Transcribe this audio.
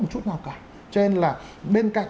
một chút nào cả cho nên là bên cạnh